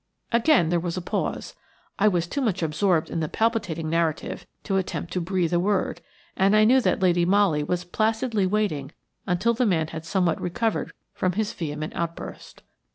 Again there was a pause. I was too much absorbed in the palpitating narrative to attempt to breathe a word, and I knew that Lady Molly was placidly waiting until the man had somewhat recovered from his vehement outburst.